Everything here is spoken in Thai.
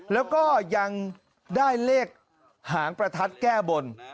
แล้วก็ยังได้เลขหางประทัดแก้บน